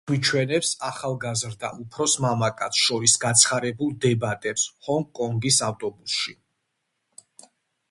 ის გვიჩვენებს ახალგაზრდა და უფროს მამაკაცს შორის გაცხარებულ დებატებს ჰონგ კონგის ავტობუსში.